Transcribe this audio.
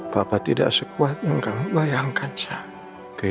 bapak tidak sekuat yang kamu bayangkansa